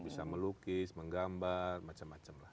bisa melukis menggambar macam macam lah